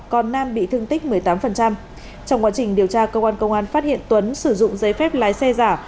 còn nam bị thương tích một mươi tám trong quá trình điều tra cơ quan công an phát hiện tuấn sử dụng giấy phép lái xe giả